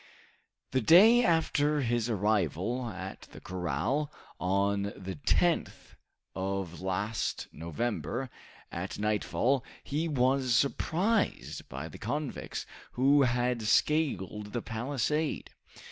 The day after his arrival at the corral, on the 10th of last November, at nightfall, he was surprised by the convicts, who had scaled the palisade.